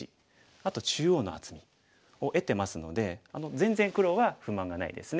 あと中央の厚みを得てますので全然黒は不満がないですね。